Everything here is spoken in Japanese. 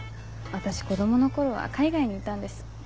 私子供の頃は海外にいたんです。